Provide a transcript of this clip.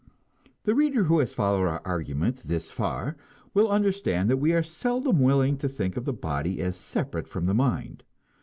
The reader who has followed our argument this far will understand that we are seldom willing to think of the body as separate from the mind.